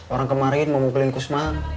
orang kemarin mau mukulin kusma